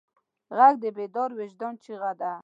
غږ د بیدار وجدان چیغه ده